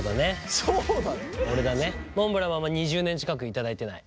モンブランは２０年近く頂いてない。